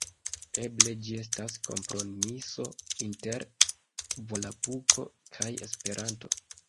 Eble ĝi estas kompromiso inter volapuko kaj Esperanto.